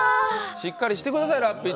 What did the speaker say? しっかりしてください、ラッピー！